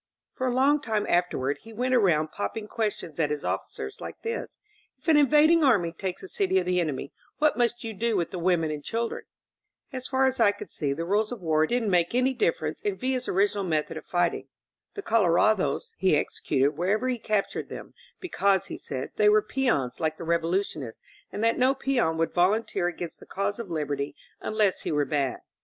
For a long time afterward he went around popping questions at his officers like this : ^^If an invading army takes a city of the enemy, what must you do with the women and children?" As far as I could see, the Rules of War didn't make any difference in Villa's original method of fighting. The color ados he executed wherever he captured them; because, he said, they were peons like the Revolution ists and that no peon would volunteer against the cause of liberty unless he were bad.